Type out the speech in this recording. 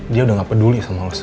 dia udah gak peduli sama lo sa